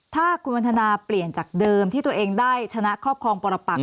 ถ้าคุณวันทนาเปลี่ยนจากเดิมที่ตัวเองได้ชนะครอบครองปรปัก